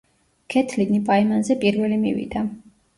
ქეთლინი პაემანზე პირველი მივიდა.